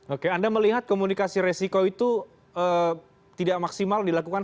oke anda melihat komunikasi resiko itu tidak maksimal dilakukan